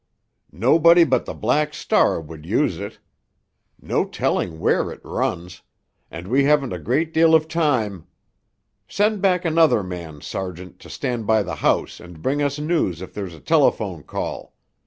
"Nobody but the Black Star would use it. No telling where it runs—and we haven't a great deal of time! Send back another man, sergeant, to stand by the house and bring us news if there's a telephone call.